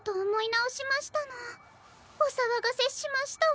おさわがせしましたわ。